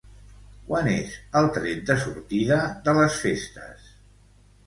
Quan és el tret de sortida de les festes?